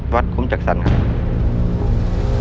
วัดคุ้มจัดสรรครับ